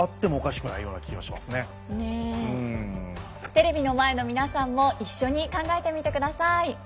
テレビの前の皆さんも一緒に考えてみてください。